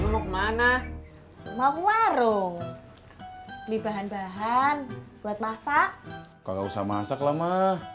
lu kemana mau warung di bahan bahan buat masak kalau usah masak lama